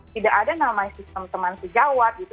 tidak ada namanya sistem teman sejawat gitu